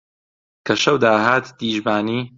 کە شەو داهات دیژبانی